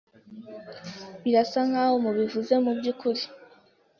Birasa nkaho mubivuze mubyukuri.